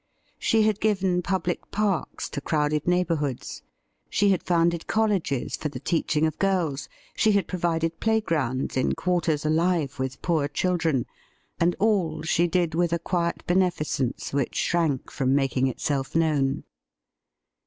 She had given public parks to crowded neighbourhoods ; she had founded colleges for the teaching of girls ; she had provided play grounds in quarters alive with poor children ; and all she did with a quiet beneficence which shrank from making itself known.